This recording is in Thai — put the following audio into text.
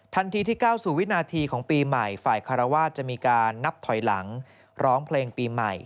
ที่ก้าวสู่วินาทีของปีใหม่ฝ่ายคารวาสจะมีการนับถอยหลังร้องเพลงปีใหม่